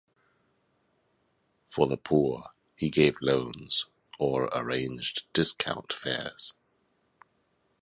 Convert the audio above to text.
For the poor, he gave loans, or arranged discount fares.